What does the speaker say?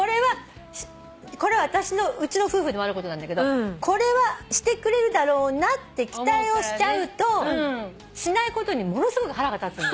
これはうちの夫婦でもあることなんだけどこれはしてくれるだろうなって期待をしちゃうとしないことにものすごく腹が立つ。